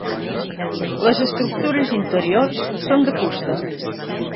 Les estructures interiors són de fusta.